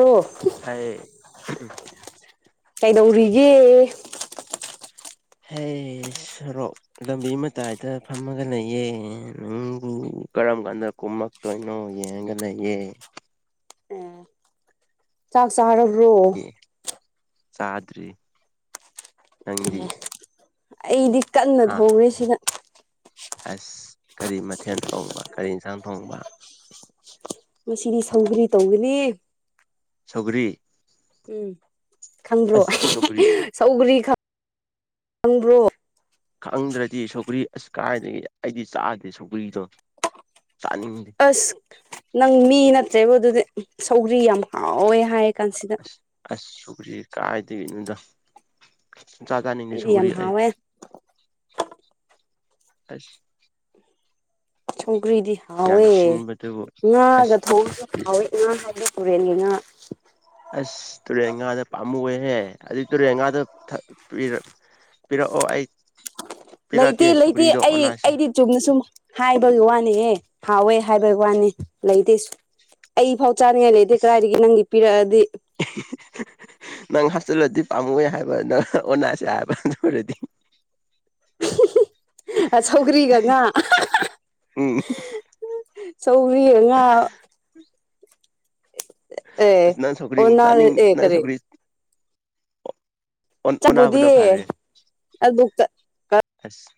ꯑꯣ ꯍꯥꯏ ꯀꯩꯗꯧꯔꯤ ꯌꯦ ꯍꯩꯁ ꯁꯣꯔꯣꯛ ꯂꯝꯕꯤ ꯃꯇꯥꯏꯗ ꯐꯝꯃꯒ ꯂꯩꯌꯦ ꯅꯪꯕꯨ ꯀꯔꯝ ꯀꯥꯟꯗ ꯀꯨꯝꯃꯛꯇꯣꯏꯅꯣ ꯌꯦꯡꯒ ꯂꯩꯌꯦ [inaudible] ꯆꯥꯛ ꯆꯥꯔꯕ꯭ꯔꯣ ꯆꯥꯗ꯭ꯔꯤ ꯅꯪꯗꯤ ꯑꯩꯗꯤ ꯀꯟꯅ ꯍꯥ ꯊꯣꯡꯔꯤ ꯁꯤꯗ ꯑꯁ ꯀꯔꯤ ꯃꯊꯦꯜ ꯊꯣꯡꯕ ꯀꯔꯤ ꯌꯦꯟꯁꯥꯡ ꯊꯣꯡꯕ ꯉꯁꯤꯗꯤ ꯁꯧꯒꯔꯤ ꯇꯧꯒꯅꯤ ꯁꯧꯒꯔꯤ ꯎꯨꯝ ꯈꯪꯗ꯭ꯔꯣ ꯍꯦ ꯁꯧꯒ꯭ꯔꯤ ꯍꯦ ꯁꯧꯒ꯭ꯔꯤ ꯈ ꯅꯕ꯭ꯔꯣ ꯈꯪꯗ꯭ꯔꯗꯤ ꯁꯧꯒ꯭ꯔꯤ ꯑꯁ ꯀꯥꯏꯗꯒꯤ ꯑꯩꯗꯤ ꯆꯥꯗꯦ ꯁꯧꯒ꯭ꯔꯤꯗꯣ ꯆꯥꯅꯤꯡꯗꯦ ꯑꯁ ꯅꯪ ꯃꯤ ꯅꯠꯇ꯭ꯔꯦꯕꯨ ꯑꯗꯨꯗꯤ ꯁꯧꯒ꯭ꯔꯤ ꯌꯥꯝ ꯍꯥꯎꯋꯦ ꯍꯥꯏ ꯀꯥꯟꯁꯤꯗ ꯑꯁ ꯑꯁ ꯁꯧꯒ꯭ꯔꯤ ꯀꯥꯏꯗꯩꯒꯤꯅꯣꯗ ꯖꯥꯆꯥꯅꯤꯗꯦ ꯑꯩꯗꯤ ꯌꯥꯝ ꯁꯧꯒꯔꯤ ꯑꯩ ꯍꯥꯎꯋꯦ ꯨꯁꯨꯝ ꯄꯨꯈ꯭ꯔꯤꯗꯤ ꯌꯥꯝ ꯍꯥꯎꯋꯦ ꯁꯤꯟꯕꯗꯨꯕꯨ ꯉꯥꯒ ꯑꯁ ꯊꯣꯡ ꯍꯥꯎꯋꯦ ꯉꯥ ꯍꯥꯏꯕꯗ ꯇꯨꯔꯦꯟꯒꯤ ꯉꯥ ꯑꯁ ꯇꯨꯔꯦꯟ ꯉꯥꯗ ꯄꯥꯝꯃꯨ ꯑꯦꯍꯦ ꯑꯗꯨ ꯇꯨꯔꯦꯟ ꯉꯥꯗ ꯄꯤꯔꯛꯑꯣ ꯑꯩ ꯄꯤꯔꯛꯀꯦ ꯂꯩꯇꯦ ꯂꯩꯇꯦ ꯁꯧꯒ꯭ꯔꯤꯗꯣ ꯑꯩ ꯑꯣꯅꯥꯁꯦ ꯑꯩꯗꯤ ꯆꯨꯝꯅ ꯁꯨꯝ ꯍꯥꯏꯕꯒꯤ ꯋꯥꯅꯤꯍꯦ ꯍꯥꯎꯋꯦ ꯍꯥꯏꯕꯩ ꯋꯥꯅꯤ ꯂꯩꯗꯦ ꯁꯨ ꯑꯩꯐꯥꯎ ꯆꯥꯅꯤꯡꯉꯥꯏ ꯂꯩꯇꯦ ꯑꯁ ꯀꯗꯥꯏꯗꯒꯤ ꯅꯪꯒꯤ ꯄꯤꯔꯛꯑꯗꯤ ꯅꯪ ꯍꯥꯞꯆꯤꯜꯂꯗꯤ ꯄꯥꯝꯃꯨ ꯍꯥꯏꯕ ꯅꯪ ꯑꯣꯅꯥꯁꯦ ꯍꯥꯏꯕ ꯑꯗꯨ ꯑꯣꯏꯔꯗꯤ ꯑ ꯁꯧꯒ꯭ꯔꯤꯒ ꯉꯥ ꯎꯝ ꯁꯧꯒ꯭ꯔꯤ ꯉꯥ ꯑꯦ ꯅꯪ ꯁꯧꯒ꯭ꯔꯤ ꯑꯣꯟꯅꯔꯦ ꯆꯥꯅꯤꯡ ꯑꯦ ꯅꯪ ꯀꯔꯤ ꯁꯧꯒ꯭ꯔꯤ ꯑꯣ ꯆꯝꯐꯨꯠꯗꯤ ꯑꯣꯅꯥꯕꯅ ꯐꯥꯔꯦ ꯑꯁ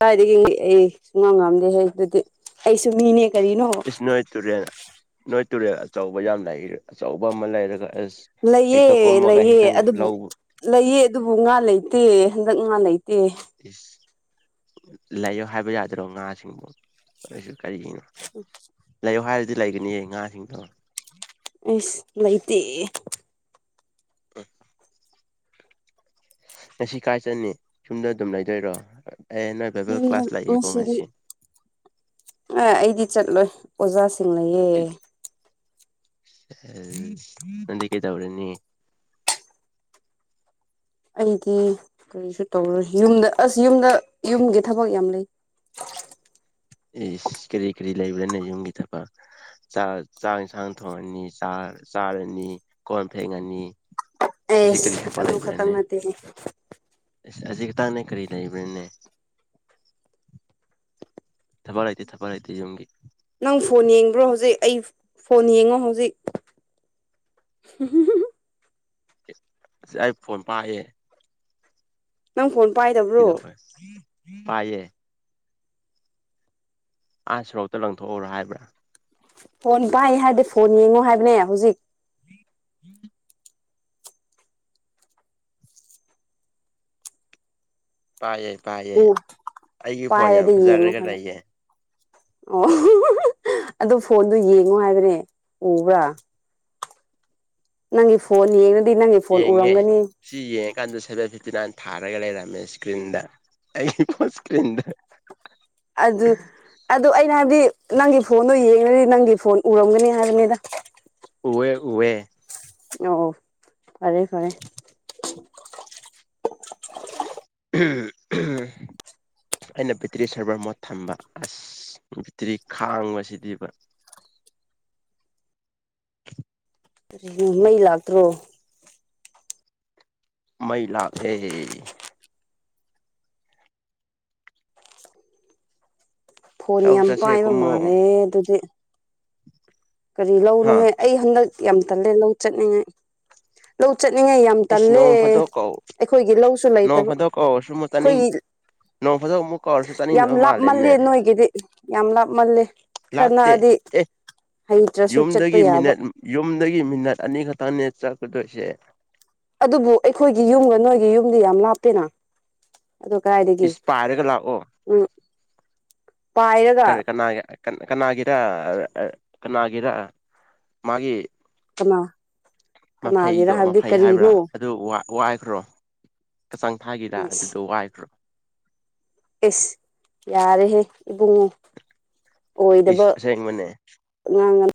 ꯀꯥꯏꯗꯒꯤ ꯑꯩ ꯁꯨꯡ ꯉꯥꯡ ꯉꯥꯝꯗꯦ ꯑꯗꯨꯗꯤ ꯑꯩꯁꯨ ꯃꯤꯅꯦ ꯀꯔꯤꯅꯣ ꯏꯁ ꯅꯣꯏ ꯇꯨꯔꯦꯜ ꯅꯣꯏ ꯇꯨꯔꯦꯜ ꯑꯆꯧꯕ ꯌꯥꯝ ꯂꯩ ꯑꯆꯧꯕ ꯑꯃ ꯂꯩꯔꯒ ꯑ ꯂꯩꯌꯦ ꯂꯩꯌꯦ ꯑꯗꯨꯕꯨ ꯂꯧꯕ ꯂꯩꯑ ꯑꯗꯨꯕꯨ ꯉꯥ ꯂꯩꯇꯦ ꯍꯟꯗꯛ ꯉꯥ ꯂꯩ ꯏꯁ ꯂꯩꯌꯣ ꯍꯥꯏꯕ ꯌꯥꯗ꯭ꯔꯣ ꯉꯥꯁꯤꯡꯕꯨ ꯑꯩꯁꯨ ꯀꯔꯤꯒꯤꯅꯣ ꯂꯩꯌꯣ ꯍꯥꯏꯔꯗꯤ ꯂꯩꯒꯅꯤꯌꯦ ꯉꯥꯁꯤꯡꯗꯣ ꯑꯁ ꯂꯩꯥꯏꯇꯦ ꯎꯨꯝ ꯉꯁꯤ ꯀꯥꯏ ꯆꯠꯅꯤ ꯌꯨꯝꯗ ꯑꯗꯨꯝ ꯂꯩꯗꯣꯏꯔꯣ ꯑꯦ ꯅꯣꯏꯕꯗ ꯌꯨꯝꯗ ꯀ꯭ꯂꯥꯁ ꯂꯩꯌꯦꯀꯣ ꯉꯥꯁꯤ ꯑ ꯑꯩꯗꯤ ꯆꯠꯂꯣꯏ ꯑꯣꯖꯥꯁꯤꯡꯅꯌꯦ ꯅꯗꯤ ꯀꯩꯇꯧꯔꯅꯤ ꯑꯩꯗꯤ ꯀꯔꯤꯁꯨ ꯇꯧꯔꯣꯏ ꯌꯨꯝꯗ ꯑꯁ ꯌꯨꯝꯗ ꯌꯨꯝꯒꯤ ꯊꯕꯛ ꯌꯥꯝ ꯂꯩ ꯆꯤꯔꯤꯔꯤ ꯏꯁ ꯀꯔꯤ ꯀꯔꯤ ꯂꯩꯕ꯭ꯔꯥꯅꯦ ꯌꯨꯝꯒꯤ ꯊꯕꯛ ꯆꯥꯛ ꯆꯥꯛ ꯌꯦꯟꯁꯥꯡ ꯊꯣꯡꯉꯅꯤ ꯆ ꯆꯥꯔꯅꯤ ꯀꯣꯟ ꯐꯦꯡꯉꯥꯅꯤ ꯑꯦꯁ ꯑꯗꯨ ꯈꯛꯇꯪ ꯅꯠꯇꯦꯅꯦ ꯍꯧꯖꯤꯛ ꯈꯇꯪꯅꯦ ꯀꯔꯤ ꯂꯩꯕꯅꯦ ꯊꯕꯛ ꯂꯩꯇꯦ ꯊꯕꯛ ꯂꯩꯇꯦ ꯌꯝꯒꯤ ꯅꯪ ꯐꯣꯟ ꯌꯦꯡꯕ꯭ꯔꯣ ꯍꯧꯖꯤꯛ ꯑꯩ ꯐꯣꯟ ꯌꯦꯡꯉꯣ ꯍꯧꯖꯤꯛ ꯍ ꯍ ꯍ ꯑꯩ ꯐꯣꯟ ꯄꯥꯛꯑꯦ ꯅꯪ ꯐꯣꯟ ꯄꯥꯏꯗꯕ꯭ꯔꯣ ꯀꯗ ꯑꯣꯏꯦ ꯄꯥꯏꯌꯦ ꯑꯥ ꯁꯣꯔꯣꯛꯇ ꯂꯪꯊꯣꯛꯎꯔꯣ ꯍꯥꯏꯕ꯭ꯔꯥ ꯐꯣꯟ ꯄꯥꯏ ꯍꯥꯏꯔꯗꯤ ꯐꯣꯟ ꯌꯦꯡꯉꯣ ꯍꯥꯏꯕꯅꯦ ꯍꯧꯖꯤꯛ ꯄꯥꯏꯌꯦ ꯄꯥꯏꯌꯦ ꯑꯩꯒꯤ ꯐꯣꯟ ꯌꯥꯝ ꯄꯥꯏꯔꯗꯤ ꯌꯦꯡꯉꯣ ꯐꯖꯔꯒ ꯍꯥꯏꯕ ꯂꯩꯌꯦ ꯑꯣ ꯑꯗꯨ ꯐꯣꯟꯗꯣ ꯌꯦꯡꯉꯣ ꯍꯥꯏꯕꯅꯦ ꯎꯕ꯭ꯔ ꯅꯪꯒꯤ ꯐꯣꯟ ꯌꯦꯡꯉꯗꯤ ꯅꯪꯒꯤ ꯐꯣꯟ ꯌꯦꯡꯉꯦ ꯎꯔꯝꯒꯅꯤ ꯁꯤ ꯌꯦꯡꯉꯀꯥꯟꯗ ꯁꯚꯦꯟ ꯐꯤꯞꯇꯤ ꯅꯥꯏꯟ ꯊꯥꯔꯒ ꯂꯩꯔꯝꯃꯦ ꯏꯁꯀ꯭ꯔꯤꯟꯗ ꯑꯩꯒꯤ ꯐꯣꯟ ꯏꯁꯀ꯭ꯔꯤꯟꯗ ꯑꯗꯨ ꯑꯗꯨ ꯑꯩꯅ ꯍꯥꯏꯕꯗꯤ ꯅꯪꯒꯤ ꯐꯣꯟꯗꯣ ꯌꯦꯡꯉꯗꯤ ꯅꯪꯒꯤ ꯐꯣꯟ ꯎꯔꯝꯒꯅꯤ ꯍꯥꯏꯕꯅꯤꯗ ꯎꯌꯦ ꯎꯌꯦ ꯑꯣ ꯐꯔꯦ ꯐꯔꯦ ꯎꯝ [unintelligible] ꯑꯩꯅ ꯕꯦꯇ꯭ꯔꯤ ꯁꯦꯚꯔ ꯃꯣꯠ ꯊꯝꯕ ꯑꯁ ꯕꯦꯇ꯭ꯔꯤ ꯈꯥꯡꯕꯁꯤꯗꯤ [unintelligible] ꯀꯔꯤꯅꯣ ꯃꯩ ꯂꯥꯛꯇ꯭ꯔꯣ ꯃꯩ ꯂꯥꯛꯑꯦ ꯐꯣꯟ ꯂꯧ ꯌꯥꯝ ꯆꯠꯁꯦ ꯄꯥꯏꯕ ꯀꯨꯝꯃꯣ ꯃꯥꯜꯂꯦ ꯑꯗꯨꯗꯤ ꯀꯔꯤ ꯍꯥ ꯂꯧꯅꯣꯍꯦ ꯑꯩ ꯍꯟꯗꯛ ꯌꯥꯝ ꯇꯜꯂꯦ ꯂꯧ ꯆꯠꯅꯤꯡꯉꯥꯏ ꯂꯧ ꯆꯠꯅꯤꯡꯉꯥꯏ ꯌꯥꯝ ꯏꯁ ꯇꯜꯂꯦ ꯅꯣꯡ ꯐꯥꯗꯣꯛ ꯀꯧ ꯑꯩꯈꯣꯏꯒꯤ ꯂꯧꯁꯨ ꯅꯣꯡ ꯂꯩꯇꯕ ꯐꯥꯗꯣꯛ ꯀꯧꯔꯁꯨ ꯑꯃꯨꯛ ꯆꯥꯅꯤꯡ ꯑꯩꯈꯣꯏꯒꯤ ꯅꯣꯡ ꯐꯥꯗꯣꯛ ꯑꯃꯨꯛ ꯀꯧꯔꯁꯨ ꯌꯥꯝ ꯆꯥꯅꯤꯡꯗꯕ ꯂꯥꯞ ꯃꯜꯂꯦ ꯃꯥꯜꯂꯦꯅꯦ ꯅꯣꯏꯒꯤꯗꯤ ꯌꯥꯝ ꯂꯥꯞꯃꯜꯂꯦ ꯈꯔ ꯂꯥꯞꯇꯦ ꯅꯛꯑꯗꯤ ꯑꯦ ꯍꯩꯇ꯭ꯔꯁꯨ ꯆꯠꯄ ꯌꯨꯝꯗꯒꯤ ꯌꯥꯕ ꯃꯤꯅꯠ ꯌꯨꯝꯗꯒꯤ ꯃꯤꯅꯠ ꯑꯅꯤ ꯈꯛꯇꯪꯅꯦ ꯆꯠꯀꯗꯣꯏꯁꯦ ꯑꯗꯨꯕꯨ ꯑꯩꯈꯣꯏꯒꯤ ꯌꯨꯝꯒ ꯅꯣꯏꯒꯤ ꯌꯨꯝꯗꯤ ꯌꯥꯝ ꯂꯥꯞꯄꯦꯅ ꯑꯗꯨ ꯀꯥꯏꯗꯒꯤ ꯏꯁ ꯄꯥꯏꯔꯒ ꯂꯥꯛꯑꯣ ꯎꯝ ꯄꯥꯏꯔꯒ ꯀꯅꯥꯒꯤ ꯀꯅꯥꯒꯤꯔ ꯀꯅꯥꯒꯤꯔ ꯃꯥꯒꯤ ꯀꯅꯥ ꯃꯐꯩꯗꯣ ꯀꯅꯥꯒꯤꯔ ꯍꯥꯏꯕꯗꯤ ꯃꯐꯩ ꯍꯥꯏꯕ꯭ꯔꯥ ꯀꯔꯤꯅꯣ ꯑꯗꯨ ꯋꯥꯏꯈ꯭ꯔꯣ ꯀꯆꯥꯡ ꯊꯥꯒꯤꯗ ꯑꯗꯨꯗꯣ ꯋꯥꯏꯈ꯭ꯔꯣ ꯑꯁ ꯌꯥꯔꯦꯍꯦ ꯏꯕꯨꯡꯉꯣ ꯑꯣꯏꯗꯕ ꯏꯁ ꯑꯁꯦꯡꯕꯅꯦ ꯉꯥꯡꯒꯅꯨ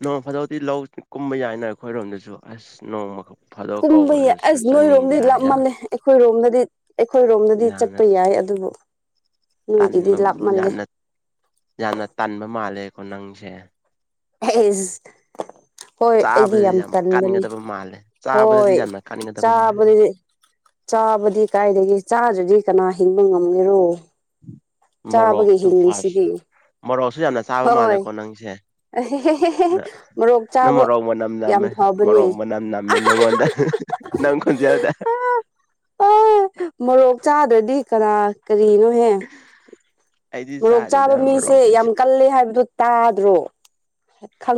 ꯅꯣꯡ ꯐꯥꯗꯣꯛꯇꯤ ꯂꯧ ꯀꯨꯝꯕ ꯌꯥꯏꯅ ꯑꯩꯈꯣꯏꯔꯣꯝꯗꯁꯨ ꯑꯁ ꯅꯣꯡꯃ ꯐꯥꯗꯣꯛ ꯀꯨꯝꯕ ꯌꯥꯏ ꯀꯧꯈ꯭ꯔꯁꯨ ꯑꯁ ꯆꯠꯅꯤꯡꯗꯦ ꯅꯣꯏꯔꯣꯝꯗꯗꯤ ꯍꯥꯏ ꯂꯥꯞ ꯌꯥꯝ ꯃꯜꯂꯦ ꯑꯩꯈꯣꯏꯔꯣꯝꯗꯗꯤ ꯑꯩꯈꯣꯏꯔꯣꯝꯗꯗꯤ ꯌꯥꯝꯅ ꯆꯠꯄ ꯌꯥꯏ ꯑꯗꯨꯕꯨ ꯅꯣꯏꯒꯤꯗꯤ ꯇꯟꯕ ꯂꯥꯞꯃꯜꯂꯦ ꯌꯥꯝꯅ ꯌꯥꯝꯅ ꯇꯟꯕ ꯃꯥꯜꯂꯦꯀꯣ ꯅꯪꯁꯦ ꯑꯦꯁ ꯍꯣꯏ ꯑꯩꯗꯤ ꯆꯥꯕꯗꯗꯤ ꯌꯥꯝ ꯇꯟꯕꯅꯤ ꯀꯟꯒꯗꯕ ꯃꯥꯜꯂꯦ ꯆꯥꯕꯗꯗꯤ ꯍꯣꯏ ꯌꯥꯝꯅ ꯀꯟꯒꯗꯕ ꯃꯥꯜꯂꯦ ꯆꯥꯕꯗꯗꯤ ꯆꯥꯕꯗꯤ ꯀꯥꯏꯗꯒꯤ ꯆꯥꯗ꯭ꯔꯗꯤ ꯀꯅꯥ ꯍꯤꯡꯕ ꯉꯝꯒꯦꯔꯣ ꯆꯥꯕꯒꯤ ꯃꯣꯔꯣꯛꯇꯣ ꯐꯥꯔꯁ ꯍꯤꯡꯂꯤꯁꯤꯗꯤ ꯃꯣꯔꯣꯛꯁꯨ ꯌꯥꯝꯅ ꯆꯥꯕ ꯍꯣꯏ ꯃꯥꯜꯂꯦꯀꯣ ꯅꯪꯁꯦ ꯃꯣꯔꯣꯛ ꯅꯪ ꯆꯥꯕ ꯃꯔꯣꯛ ꯃꯅꯝ ꯌꯥꯝ ꯅꯝꯃꯦ ꯐꯕꯅꯦ ꯃꯔꯣꯛ ꯃꯅꯝ ꯅꯝꯃꯦ ꯅꯉꯣꯟꯗ ꯅꯪ ꯈꯣꯟꯖꯦꯜꯗ ꯍ ꯃꯣꯔꯣꯛ ꯆꯥꯗ꯭ꯔꯗꯤ ꯀꯅꯥ ꯀꯔꯤꯅꯣꯍꯦ ꯑꯩꯗꯤ ꯃꯣꯔꯣꯛ ꯆꯥꯕ ꯆꯥꯗꯦꯗ ꯃꯤꯁꯦ ꯌꯥꯝ ꯃꯣꯔꯣꯛꯀꯁꯦ ꯀꯜꯂꯦ ꯍꯥꯏꯕꯗꯨ ꯇꯥꯗ꯭ꯔꯣ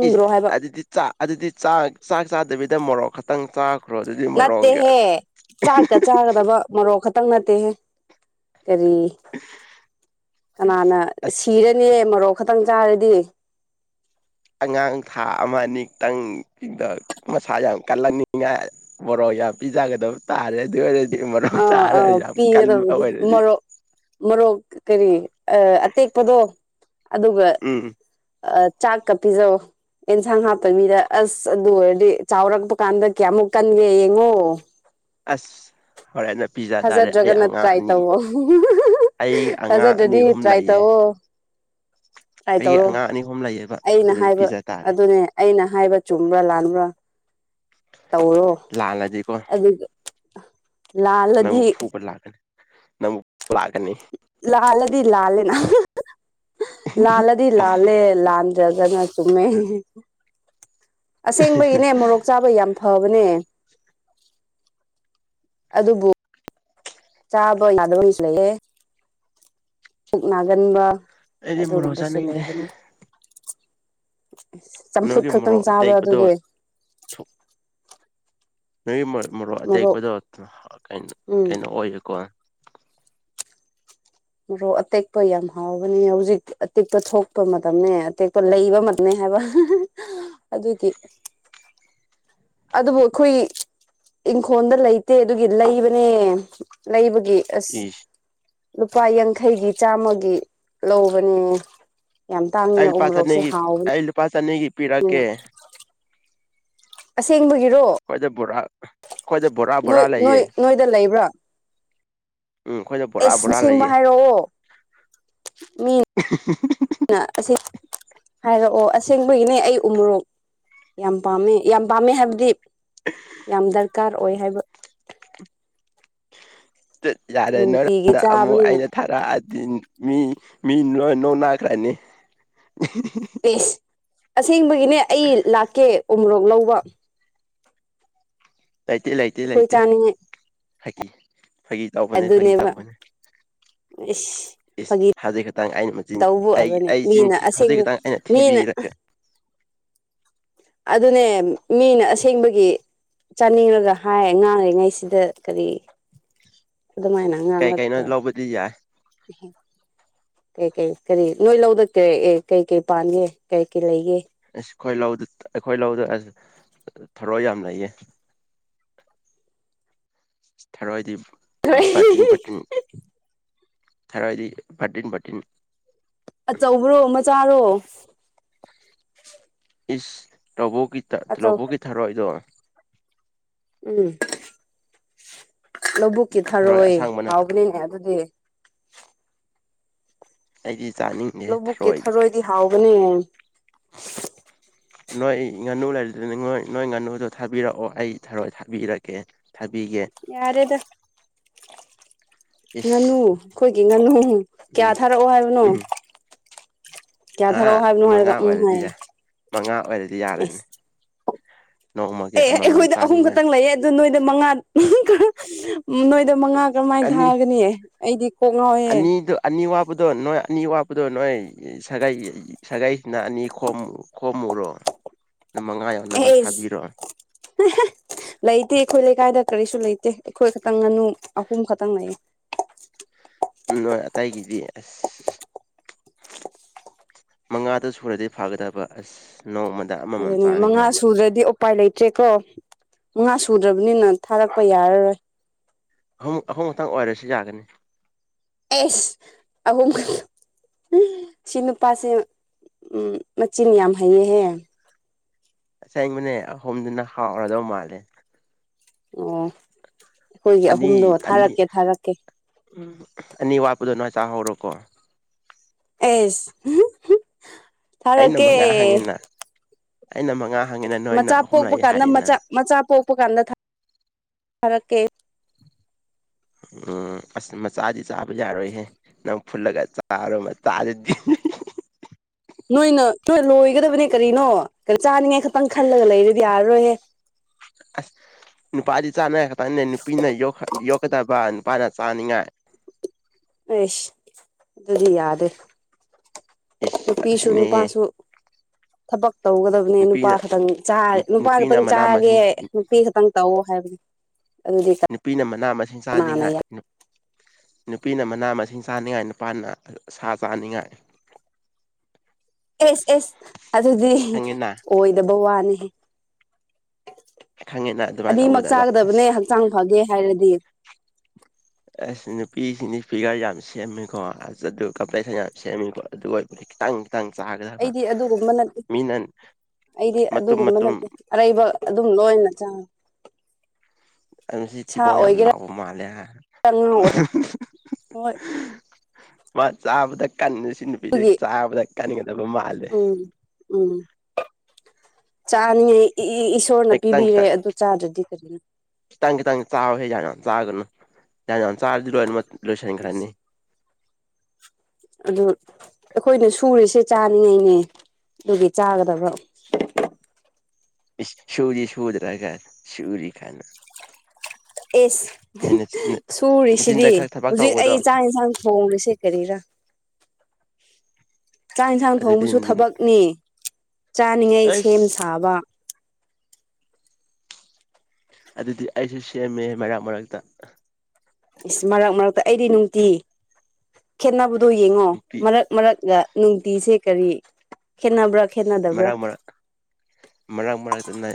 ꯏꯁ ꯍꯥꯏꯕ ꯑꯗꯨꯗꯤ ꯆꯥꯛ ꯑꯗꯨꯗꯤ ꯆꯥꯛ ꯆꯥꯛ ꯆꯥꯗꯕꯤꯗ ꯃꯣꯔꯣꯛ ꯈꯛꯇꯪ ꯆꯥꯈ꯭ꯔꯣ ꯑꯗꯨꯗꯤ ꯃꯣꯔꯣꯛꯒ ꯅꯠꯇꯦꯍꯦ ꯆꯥꯛꯀ ꯆꯥꯒꯗꯕ ꯃꯣꯔꯣꯛ ꯈꯛꯇꯪ ꯅꯠꯇꯦꯍꯦ ꯀꯔꯤ ꯀꯅꯥꯅ ꯑꯁ ꯁꯤꯔꯅꯤ ꯃꯔꯣꯛ ꯈꯇꯪ ꯆꯥꯔꯗꯤ ꯑꯩꯗꯤ ꯑꯉꯥꯡ ꯊꯥ ꯑꯃ ꯑꯅꯤꯛꯇꯪꯗ ꯃꯁꯥ ꯌꯥꯝ ꯀꯜꯂꯛꯅꯤꯡꯉꯥꯏ ꯃꯣꯔꯣꯛ ꯄꯤꯖꯒꯗꯕ ꯇꯥꯔꯦꯑꯗꯨ ꯑꯣꯏꯔꯗꯤ ꯃꯣꯔꯣꯛ ꯑꯥ ꯆꯥꯔ ꯑꯥ ꯌꯥꯝ ꯀꯟꯕ ꯄꯤꯒꯗꯕꯗꯤ ꯑꯣꯏꯔꯗꯤ ꯃꯔꯣꯔꯣꯛ ꯃꯔꯣꯔꯣꯛ ꯀꯔꯤ ꯑꯇꯦꯛꯄꯗꯣ ꯑꯗꯨꯒ ꯎꯝ ꯑ ꯆꯥꯛ ꯀ ꯄꯤꯖꯧ ꯑꯦꯟꯁꯥꯡ ꯍꯥꯞꯄ ꯃꯤꯗ ꯑꯁ ꯑꯗꯨ ꯑꯣꯏꯔꯗꯤ ꯆꯥꯎꯔꯛꯄ ꯀꯥꯟꯗ ꯀꯌꯥꯃꯨꯛ ꯀꯟꯒꯦ ꯌꯦꯡꯉꯣ ꯑꯁ ꯍꯣꯔꯦꯟꯅ ꯄꯤꯖꯥ ꯇꯥꯔꯦ ꯑꯩ ꯊꯥꯖꯗ꯭ꯔꯒꯅ ꯑꯉꯥꯡ ꯇ꯭ꯔꯥꯏ ꯑꯅꯤ ꯇꯧꯋꯣ ꯑꯩ ꯑꯉꯥꯡ ꯑꯅꯤ ꯊꯥꯖꯗ꯭ꯔꯗꯤ ꯑꯍꯨꯝ ꯂꯩꯌꯦ ꯇꯥꯏ ꯑꯩꯒꯤ ꯇꯧꯔꯣ ꯑꯉꯥꯡ ꯑꯅꯤ ꯑꯍꯨꯝ ꯂꯩꯌꯦꯕ ꯑꯩꯅ ꯑꯗꯨ ꯍꯥꯏꯕ ꯄꯤꯖ ꯇꯥꯔꯦ ꯑꯗꯨꯅꯦ ꯑꯩꯅ ꯍꯥꯏꯕ ꯆꯨꯝꯕ꯭ꯔꯥ ꯂꯥꯟꯕ꯭ꯔꯥ ꯇꯧꯔꯣ ꯂꯥꯜꯂꯗꯤꯀꯣ ꯑꯗꯨꯒ ꯂꯥꯜꯗꯤ ꯅꯝ ꯂꯥꯛꯀꯅꯤ ꯂꯥꯂꯗꯤ ꯂꯥꯂꯦꯅ ꯂꯥꯜꯂꯗꯤ ꯂꯥꯜꯂꯦ ꯂꯥꯟꯗ꯭ꯔꯒꯅ ꯆꯨꯝꯃꯦ ꯑꯁꯦꯡꯕꯒꯤꯅꯦ ꯃꯣꯔꯣꯛ ꯆꯥꯕ ꯌꯥꯝ ꯐꯕ ꯅꯦ ꯑꯗꯨꯕꯨ ꯆꯥꯕ ꯌꯥꯗꯕꯅꯤꯁꯨ ꯂꯩꯍꯦ ꯄꯨꯛ ꯅꯥꯒꯟꯕ ꯑꯩꯗꯤ ꯃꯣꯔꯣꯛ ꯆꯥꯅꯤꯡꯗꯦ ꯑꯗꯨꯗꯕꯁꯨꯂꯦꯕꯅꯤ ꯆꯝꯐꯨꯠ ꯅꯣꯏꯒꯤ ꯈꯛꯇꯪ ꯃꯣꯔꯣꯛ ꯆꯥꯕ꯭ꯔꯥ ꯑꯇꯦꯛꯄꯗꯣ ꯑꯗꯨꯗꯤ ꯅꯣꯏꯒꯤ ꯃꯔꯣꯛ ꯑꯇꯦꯛꯄꯗꯣ ꯎꯝ ꯀꯩꯅꯣ ꯑꯣꯏꯌꯦꯀꯣ ꯃꯔꯣꯛ ꯑꯇꯦꯛꯄ ꯌꯥꯝ ꯍꯥꯎꯕꯅꯤ ꯍꯧꯖꯤꯛ ꯑꯇꯦꯛꯄ ꯊꯣꯛꯄ ꯃꯇꯝꯅꯦ ꯑꯇꯦꯛꯄ ꯂꯩꯕ ꯍꯥꯏꯕ ꯑꯗꯨꯗꯤ ꯑꯗꯨꯕꯨ ꯑꯩꯈꯣꯏ ꯏꯪꯈꯣꯜꯗ ꯂꯩꯇꯦ ꯑꯗꯨꯒꯤ ꯂꯩꯕꯅꯦ ꯂꯩꯕꯒꯤ ꯒꯤ ꯑꯁ ꯏꯁ ꯂꯨꯄꯥ ꯌꯥꯡꯈꯩꯒꯤ ꯆꯥꯝꯃꯒꯤ ꯂꯧꯕꯅꯤ ꯌꯥꯝ ꯇꯥꯡꯉꯦ ꯑꯩ ꯂꯨꯄꯥ ꯎꯃꯣꯔꯣꯛꯁꯦ ꯆꯅꯤꯒꯤ ꯍꯥꯎꯋ ꯑꯩ ꯂꯨꯄꯥ ꯆꯅꯤꯒꯤ ꯄꯤꯔꯛꯀꯦ ꯁꯦꯡ ꯍꯈꯣꯏꯗꯦ ꯕꯨꯔꯥ ꯑꯣꯏ ꯅꯣꯏ ꯅꯣꯏꯗ ꯂꯩꯕ꯭ꯔꯥ ꯎꯝ ꯑꯩꯈꯣꯏꯗ ꯕꯣꯔꯥ ꯕꯣꯔꯥ ꯑꯦꯁꯁꯦꯡꯕ ꯂꯩꯌꯦ ꯍꯥꯏꯔꯛꯑꯣ ꯃꯤ ꯑꯁꯤ ꯍꯥꯏꯔꯛꯑꯣ ꯑꯁꯦꯡꯕꯒꯤꯅꯦ ꯑꯩ ꯎꯃꯣꯔꯣꯛ ꯌꯥꯝ ꯄꯥꯝꯃꯦ ꯌꯥꯝ ꯄꯥꯝꯃꯦ ꯍꯥꯏꯕꯗꯤ ꯌꯥꯝ ꯗꯔꯀꯥꯔ ꯑꯣꯏ ꯍꯥꯏꯕ ꯌꯥꯔꯦ ꯅꯨꯡꯇꯤꯒꯤ ꯅꯗ ꯑꯃꯨꯛ ꯆꯥꯕꯅꯤꯅ ꯑꯩꯅ ꯊꯥꯔꯛꯑꯒ ꯃꯤ ꯃꯤ ꯂꯣꯏ ꯅꯣꯛ ꯅꯈ꯭ꯔꯅꯤ ꯑꯦꯁ ꯑꯁꯦꯡꯕꯒꯤꯅꯦ ꯑꯩ ꯂꯥꯛꯀꯦ ꯎꯃꯣꯔꯣꯛ ꯂꯧꯕ ꯂꯩꯇꯦ ꯂꯩꯇꯦ ꯑꯩꯈꯣꯏ ꯂꯩꯇꯦ ꯆꯥꯅꯤꯡꯉꯥꯏ ꯐꯥꯒꯤ ꯐꯥꯒꯤ ꯇꯧꯕꯅꯦ ꯐꯥꯒꯤ ꯑꯗꯨꯅꯦꯕ ꯇꯧꯕꯅꯦ ꯏꯁ ꯏꯁ ꯐꯥꯒꯤ ꯍꯧꯖꯤꯛ ꯈꯛꯇꯪ ꯑꯩꯅ ꯃꯆꯤꯟ ꯑꯩ ꯇꯧꯕꯅꯤ ꯑꯩ ꯆꯤꯟ ꯃꯤꯅ ꯊꯤ ꯍꯧꯖꯤꯛ ꯑꯁꯦꯡꯕ ꯈꯛꯇꯪ ꯑꯩꯅ ꯃꯤꯅ ꯊꯤꯕꯤꯔꯒ ꯑꯗꯨꯅꯦ ꯃꯤꯅ ꯑꯁꯦꯡꯕꯒꯤ ꯆꯥꯅꯤꯡꯉꯒ ꯍꯥꯏ ꯉꯥꯜꯔꯤꯉꯩꯁꯤꯗ ꯀꯔꯤ ꯑꯗꯨꯃꯥꯏꯅ ꯀꯩ ꯀꯩꯅꯣ ꯉꯥꯉꯛꯄ ꯂꯧꯕꯗꯤ ꯌꯥꯏ [unintelligible] ꯀꯩ ꯀꯩ ꯀꯔꯤ ꯅꯣꯏ ꯂꯧꯗ ꯀꯩ ꯀꯩ ꯄꯥꯟꯒꯦ ꯀꯩ ꯀꯩ ꯂꯩꯒꯦ ꯑ ꯑꯩꯈꯣꯏ ꯂꯧꯗꯨ ꯑꯩꯈꯣꯏ ꯂꯧꯗꯨ ꯑꯁ ꯊꯔꯣ ꯌꯥꯝ ꯂꯩꯌꯦ ꯊꯔꯣꯏꯗꯤ ꯔꯇꯤꯟ ꯄꯥꯔꯇꯤꯟ ꯇꯔꯥꯎꯗꯤ ꯐꯇꯤꯟ ꯄꯇꯤꯟ ꯑꯆꯧꯕ꯭ꯔꯣ ꯃꯆꯥꯔꯣ ꯏꯁ ꯂꯧꯕꯒꯤ ꯑꯆꯧ ꯂꯧꯕꯨꯀꯤ ꯊꯥꯔꯣꯏꯗꯣ ꯎꯝ ꯂꯧꯕꯕꯨꯛꯀꯤ ꯊꯔꯣꯏ ꯑꯁꯥꯡꯕ ꯅꯠꯇꯕ ꯍꯥꯎꯕꯅꯤꯅꯦ ꯑꯗꯨꯗꯤ ꯑꯩꯒꯤ ꯂꯧꯕꯨꯛꯀꯤ ꯊꯔꯣꯏꯗꯤ ꯍꯥꯎꯕꯅꯦ ꯅꯣꯏ ꯉꯥꯅꯨ ꯂꯩꯔꯤꯗꯨꯅꯤ ꯅꯣꯏ ꯅꯣꯏ ꯉꯥꯅꯨꯗꯣ ꯊꯥꯕꯤꯔꯛꯑꯣ ꯑꯩ ꯊꯣꯏ ꯊꯥꯕꯤꯔꯛꯀꯦ ꯊꯥꯕꯤꯒꯦ ꯌꯥꯔꯦꯗ ꯉꯥꯅꯨ ꯏꯁ ꯑꯩꯈꯣꯏꯒꯤ ꯉꯥꯅꯨ ꯎꯝ ꯀꯌꯥ ꯊꯥꯔꯛꯑꯣ ꯍꯥꯏꯕꯅꯣ ꯎꯝ ꯀꯌꯥ ꯑꯥ ꯊꯥꯔꯛꯑꯣ ꯍꯥꯏꯕꯅꯣ ꯃꯉꯥ ꯍꯥꯏꯔꯒ ꯎꯝ ꯑꯣꯏꯗꯤ ꯍꯥꯏꯌꯦ ꯃꯉꯥ ꯑꯣꯏꯗꯤ ꯌꯥꯔꯅꯤ ꯑꯦꯁ ꯑꯦ ꯑꯩꯈꯣꯏꯗ ꯑꯍꯨꯝ ꯈꯛꯇꯪ ꯂꯩꯌꯦ ꯑꯗꯨꯗꯣ ꯅꯣꯏꯗ ꯃꯉꯥ ꯎ ꯅꯣꯏꯗ ꯃꯉꯥ ꯀꯔꯝꯃꯥꯏꯅ ꯑꯅꯤ ꯊꯥꯒꯅꯤ ꯑꯩꯗꯤ ꯀꯣꯛ ꯉꯥꯎꯑꯦ ꯍꯥꯞꯄꯗꯣ ꯅꯣꯏ ꯑꯅꯤ ꯋꯥꯠꯄꯗꯣ ꯅꯣꯏ ꯁꯥꯒꯩ ꯁꯥꯒꯥꯏꯁꯤꯅ ꯑꯅꯤ ꯈꯣ ꯈꯣꯝꯃꯨꯔꯣ [inaudible] ꯃꯉꯥ ꯌꯧꯅꯕ ꯑꯦ ꯊꯥꯕꯤꯔꯣ ꯂꯩꯇꯦ ꯑꯩꯈꯣꯏ ꯂꯩꯀꯥꯏꯗ ꯀꯔꯤꯁꯨ ꯂꯩꯇꯦ ꯑꯩꯈꯣꯏ ꯈꯛꯇꯪ ꯉꯥꯅꯨ ꯑꯍꯨꯝ ꯈꯛꯇꯪ ꯂꯩꯌꯦ ꯅꯣꯏ ꯑꯇꯩꯒꯤꯗꯤ ꯑꯁ ꯃꯉꯥꯗꯨ ꯁꯨꯔꯗꯤ ꯐꯥꯒꯗꯕ ꯑꯁ ꯅꯣꯡꯃꯗ ꯑꯃꯃꯝ ꯑꯗꯨꯅꯦ ꯃꯉꯥ ꯆꯥꯅꯤꯡꯉꯥꯏ ꯁꯨꯗ꯭ꯔꯗꯤ ꯎꯄꯥꯏ ꯂꯩꯇ꯭ꯔꯦꯀꯣ ꯃꯉꯥ ꯁꯨꯗ꯭ꯔꯕꯅꯤꯅ ꯊꯥꯔꯛꯄ ꯌꯥꯔꯔꯣꯏ ꯑꯍꯨꯝ ꯑꯍꯨꯝ ꯃꯇꯛꯇꯥꯡ ꯑꯣꯏꯔꯁꯨ ꯌꯥꯒꯅꯤ ꯑꯦꯁ ꯑꯍ ꯁꯤꯅꯨꯄꯥꯥꯁꯦ ꯎꯝ ꯃꯆꯤꯟꯤꯟ ꯌꯥꯝ ꯍꯥꯏꯌꯦꯍꯦ ꯑꯁꯦꯡꯕꯅꯦ ꯑꯍꯨꯝꯗꯨꯅ ꯍꯥꯎꯔꯗꯧ ꯃꯥꯜꯂꯦ ꯑꯣ ꯑꯩꯈꯣꯏꯒꯤ ꯑꯅꯤ ꯑꯍꯨꯝꯗꯣ ꯑꯅꯤ ꯊꯥꯔꯛꯀꯦ ꯊꯥꯔꯛꯀꯦ ꯎꯝ ꯑꯅꯤ ꯋꯥꯄꯗꯅ ꯆꯍꯔꯣꯀꯣ ꯑꯦꯁ ꯊꯔ ꯑꯩꯅ ꯀꯦ ꯃꯉꯥ ꯍꯪꯉꯤꯅ ꯑꯩꯅ ꯃꯉꯥ ꯍꯪꯉꯤꯅ ꯅꯣꯏꯅ ꯃꯆꯥ ꯑꯍꯨꯝ ꯄꯣꯛꯄ ꯂꯩ ꯀꯥꯟꯗ ꯍꯥꯏꯅ ꯃꯆꯥ ꯃꯆꯥ ꯄꯣꯛꯄ ꯀꯥꯟꯗ ꯐꯔ ꯀꯦ ꯎꯝ ꯑꯁ ꯃꯆꯥꯗꯤ ꯆꯥꯕ ꯌꯥꯔꯣꯏꯍꯦ ꯅ ꯐꯨꯜꯂꯒꯥꯏ ꯆꯔꯣ ꯃꯗꯗꯤ ꯅꯣꯏꯅꯣꯏ ꯂꯣꯏꯒꯗꯕꯅꯦ ꯀꯔꯤꯅꯣ ꯀꯣ ꯆꯥꯅꯤꯡꯉꯥꯏ ꯈꯛꯇꯪ ꯈꯜꯂꯒ ꯂꯩꯔꯗꯤ ꯌꯥꯔꯔꯣꯏꯍꯦ ꯑ ꯅꯨꯄꯥꯗꯤ ꯆꯥꯅꯉꯥꯏ ꯈꯛꯇꯪꯅꯦ ꯅꯨꯄꯤꯅ ꯌꯣꯛꯀꯗꯕ ꯅꯨꯄꯥꯅ ꯆꯥꯅꯤꯡꯉꯥꯏ ꯑꯁ ꯑꯗꯨꯗꯤ ꯌꯥꯗꯦ ꯏꯁ ꯑꯁꯤꯅꯦꯍꯦ [inaudible] ꯇꯧꯒꯗꯕꯅꯦ ꯅꯨꯄꯥ ꯅꯨꯄꯤꯅ ꯈꯛꯇꯪ ꯅꯨꯄꯥ ꯅꯨꯄꯤꯅ ꯈꯛꯇꯪ ꯃꯅꯥ ꯆꯥꯒꯦ ꯃꯁꯤꯡ ꯅꯨꯄꯤ ꯈꯛꯇꯪ ꯇꯧꯑꯣ ꯍꯥꯏꯕꯅꯦ ꯅꯨꯄꯤꯅ ꯃꯅꯥ ꯃꯁꯤꯡ ꯀꯅꯥꯅ ꯆꯥꯅꯤꯡꯉꯥꯏ ꯌꯥ ꯅꯨꯄꯤꯅ ꯃꯅꯥ ꯃꯁꯤꯡ ꯆꯥꯅꯤꯡꯉꯥꯏ ꯅꯨꯄꯥꯅ ꯁꯥ ꯆꯥꯅꯤꯡꯉꯥꯏ ꯏꯁ ꯏꯁ ꯑꯗꯨꯗꯤ ꯈꯪꯉꯦꯅ ꯑꯣꯏꯗꯕ ꯋꯥꯅꯤ ꯈꯪꯉꯦꯅ ꯑꯗꯨꯃꯥꯏꯅ ꯑꯅꯤꯃꯛ ꯇꯧꯒꯗꯕ ꯆꯥꯒꯗꯕꯅꯦ ꯑꯁ ꯍꯛꯆꯥꯡ ꯐꯒꯦ ꯍꯥꯏꯔꯗꯤ ꯑꯁ ꯅꯨꯄꯤꯁꯤꯡꯗꯤ ꯐꯤꯒꯔ ꯌꯥꯝ ꯁꯦꯝꯃꯤꯀꯣ ꯑꯗꯨ ꯀꯝꯄ꯭ꯂꯦꯛꯁꯟ ꯌꯥꯝ ꯁꯦꯝꯃꯤꯀꯣ ꯑꯗꯨ ꯑꯣꯏꯕꯗꯤ ꯈꯤꯇꯪ ꯈꯤꯇꯪ ꯆꯥꯒꯗꯕ ꯑꯩꯗꯤ ꯑꯗꯨꯒꯨꯝꯕ ꯅꯠꯇꯦ ꯃꯤꯅ ꯑꯩꯗꯤ ꯃꯇꯨꯝ ꯑꯗꯨꯒꯨꯝꯕ ꯃꯇꯨꯝ ꯅꯠꯇꯦ ꯑꯔꯩꯕ ꯑꯗꯨꯝ ꯂꯣꯏꯅ ꯆꯥꯏ ꯑꯗꯨ ꯁꯤ ꯊꯤꯕꯣꯡ ꯌꯥꯝ ꯂꯥꯎꯕ ꯃꯥꯜꯂꯦ ꯍꯥ ꯉꯥ ꯑꯣꯏ ꯍꯣꯏ ꯃꯥ ꯆꯥꯕꯗ ꯀꯟꯅꯦ ꯁꯤ ꯅꯨꯄꯤꯁꯦ ꯑꯗꯨꯒꯤ ꯆꯥꯕꯗ ꯀꯟꯒꯗꯕ ꯃꯥꯜꯂꯦ ꯎꯝ ꯎꯝ ꯆꯥꯅꯤꯡꯉꯥꯏ ꯏꯁꯣꯔꯅ ꯑꯩ ꯈꯤꯇꯪ ꯄꯤꯕꯤꯔꯦ ꯑꯗꯨ ꯆꯥꯗ꯭ꯔꯗꯤ ꯀꯔꯤꯅꯣ ꯈꯤꯠꯇꯡ ꯈꯤꯠꯇꯡ ꯆꯥꯎꯍꯦ ꯌꯝ ꯌꯝ ꯆꯔꯗꯤ ꯂꯣꯏꯅꯃꯛ ꯂꯣꯏꯁꯟꯈ꯭ꯔꯅꯤ ꯑꯗꯨ ꯑꯩꯈꯣꯏꯅ ꯁꯨꯔꯤꯁꯦ ꯆꯥꯅꯤꯡꯉꯏꯅꯦ ꯑꯗꯨꯒꯤ ꯆꯥꯒꯗꯕ [unintelligible] ꯁꯨꯗꯤ ꯁꯨꯗꯅ ꯁꯨꯔꯤ ꯒꯅ ꯏꯁ ꯅꯆꯤꯟꯗ ꯁꯨꯔꯤꯁꯤꯗꯤ ꯈꯔ ꯊꯕꯛ ꯍꯧꯖꯤꯛ ꯇꯧꯕꯗꯣ ꯑꯩ ꯆꯥꯛ ꯍꯦꯟꯁꯥꯡ ꯊꯣꯡꯂꯤꯁꯦ ꯀꯔꯤꯔꯥ [inaudible] ꯆꯥꯛ ꯍꯦꯟꯁꯥꯡ ꯑꯗꯨꯗꯤ ꯊꯣꯡꯕꯁꯨ ꯊꯕꯛꯅꯤ ꯆꯥꯅꯤꯉꯩ ꯁꯦꯝ ꯑꯩꯁ ꯁꯥꯕ ꯑꯗꯨꯗꯤ ꯑꯩꯁꯨ ꯁꯦꯝꯃꯦ ꯃꯔꯛ ꯃꯔꯛꯇ ꯃꯔꯛ ꯃꯔꯛꯇ ꯑꯩꯗꯤ ꯅꯨꯡꯇꯤ ꯈꯦꯠꯅꯕꯗꯣ ꯌꯦꯡꯉꯣ ꯅꯨꯄꯤ ꯃꯔꯛ ꯃꯔꯛꯒ ꯅꯨꯡꯇꯤꯁꯦ ꯀꯔꯤ ꯈꯦꯠꯅꯕ꯭ꯔꯥ ꯈꯦꯠꯅꯗꯕ꯭ꯔꯥ ꯃꯔꯛ ꯃꯔꯛ ꯃꯔꯛ ꯃꯔꯛꯇꯅ